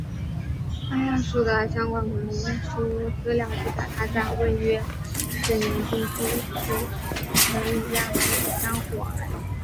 据亚述的相关文书资料记载他在位约十年并记述其曾与亚述人相互往来。